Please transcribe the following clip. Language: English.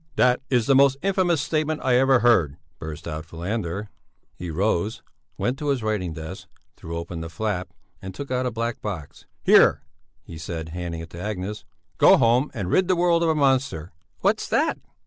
"That is the most infamous statement I ever heard!" burst out Falander. He rose, went to his writing desk, threw open the flap and took out a black box. "Here," he said, handing it to Agnes; "go home and rid the world of a monster." "What's that?"